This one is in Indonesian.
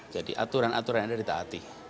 jadi aturan aturan ada ditaati